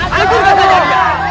hajurkan saja dia